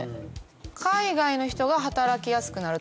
海外の人が働きやすくなるとか？